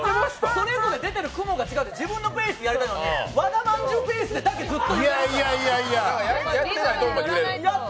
それぞれ出てる雲が違うので自分のペースでやりたいのに和田まんじゅうペースでずっと、こう振ってるから！